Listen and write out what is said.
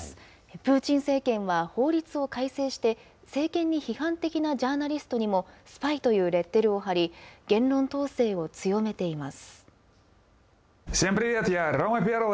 プーチン政権は、法律を改正して、政権に批判的なジャーナリストにも、スパイというレッテルを貼り、言論統制を強めています。